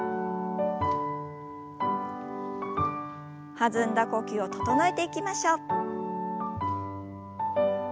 弾んだ呼吸を整えていきましょう。